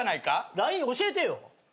ＬＩＮＥ教えてよ。